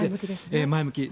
前向き。